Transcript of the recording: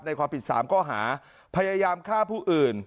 ความผิด๓ข้อหาพยายามฆ่าผู้อื่น